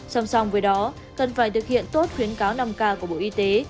song song với đó cần phải thực hiện tốt khuyến cáo năm k của bộ y tế